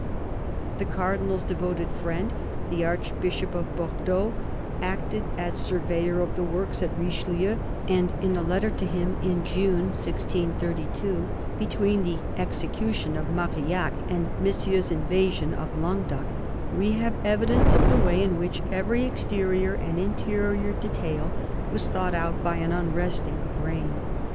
The Cardinal's devoted friend, the Archbishop of Bordeaux, acted as surveyor of the works at Richelieu, and in a letter to him in June 1632, between the execution of Marillac and Monsieur's invasion of Languedoc, we have evidence of the way in which every exterior and interior detail was thought out by an unresting brain.